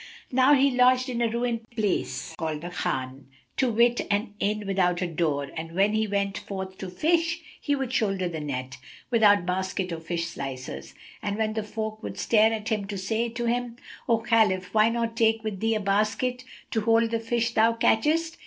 Now he lodged in a ruined place called a Khan, to wit, an inn,[FN#264] without a door, and when he went forth to fish, he would shoulder the net, without basket or fish slicers,[FN#265] and when the folk would stare at him and say to him, "O Khalif, why not take with thee a basket, to hold the fish thou catchest?"